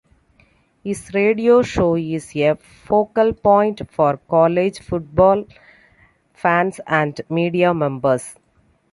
His radio show is a focal point for college football fans and media members.